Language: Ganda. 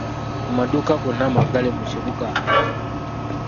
Amadduuka gonna maggale mu kibuga wakati.